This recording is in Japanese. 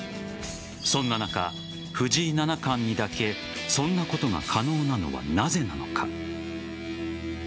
そんな中、藤井七冠にだけそんなことが可能なのはなぜなのか。